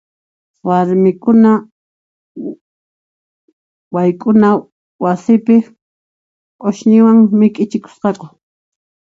Warmikuna wayk'una wasipi q'usñiwan mikichikusqaku.